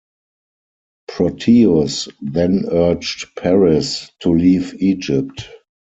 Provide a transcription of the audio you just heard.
Proteus then urged Paris to leave Egypt.